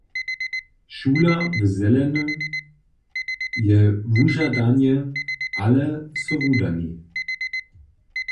Šula w zelenym je wužadanje, ale so wudani.